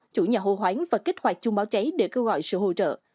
chủ nhà hô hoáng và kích hoạt chung báo cháy để kêu gọi sự hỗ trợ